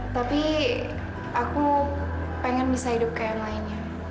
tapi aku pengen bisa hidup kayak yang lainnya